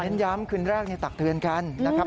ย้ำคืนแรกในตักเตือนกันนะครับ